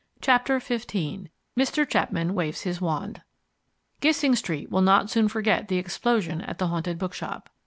Chapter XV Mr. Chapman Waves His Wand Gissing Street will not soon forget the explosion at the Haunted Bookshop.